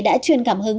đã truyền cảm hứng